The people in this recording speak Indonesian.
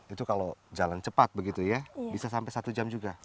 itu kalau jalan cepat begitu ya bisa sampai satu jam juga